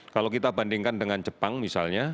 kalau kita bandingkan dengan jepang misalnya